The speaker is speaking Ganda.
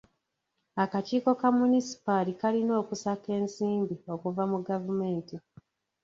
Akakiiko ka munisipaali kalina okusaka ensimbi okuva mu gavumenti.